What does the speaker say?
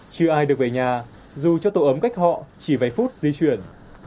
chưa ai được về nhà dù cho tổ ấm cách họ chỉ vài phút di chuyển